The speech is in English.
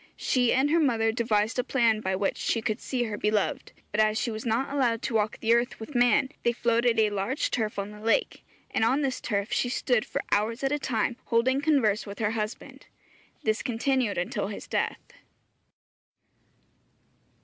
She and her mother devised a plan by which she could see her beloved, but as she was not allowed to walk the earth with man, they floated a large turf on the lake, and on this turf she stood for hours at a time holding converse with her husband. This continued until his death.